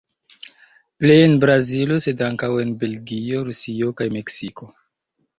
Plej en Brazilo, sed ankaŭ en Belgio, Rusio kaj Meksiko.